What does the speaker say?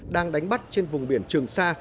đang đánh bắt trên vùng biển trường sa